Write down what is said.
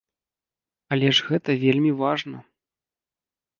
Але ж гэта вельмі важна!